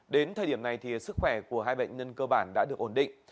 đến thời điểm này sức khỏe của hai bệnh nhân cơ bản đã được ổn định